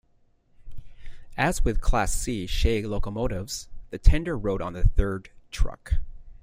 As with Class C Shay locomotives, the tender rode on the third truck.